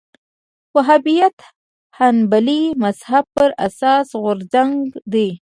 وهابیت حنبلي مذهب پر اساس غورځنګ دی